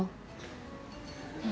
うん。